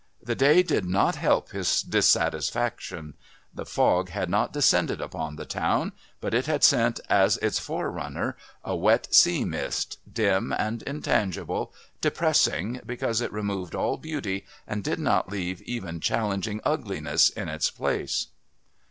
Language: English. The day did not help his dissatisfaction. The fog had not descended upon the town, but it had sent as its forerunner a wet sea mist, dim and intangible, depressing because it removed all beauty and did not leave even challenging ugliness in its place.